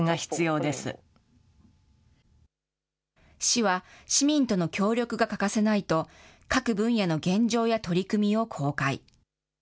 市は市民との協力が欠かせないと、各分野の現状や取り組みを公開。